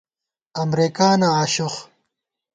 امرېکانہ آشوخ